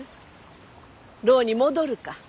牢に戻るか？